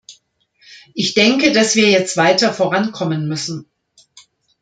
Ich denke, dass wir jetzt weiter vorankommen müssen.